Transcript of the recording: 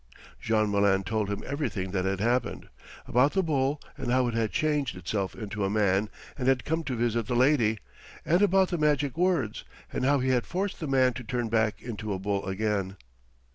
Jean Malin, told him everything that had happened, about the bull, and how it had changed itself into a man and had come to visit the lady, and about the magic words, and how he had forced the man to turn back into a bull again.